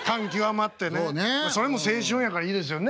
それも青春やからいいですよね。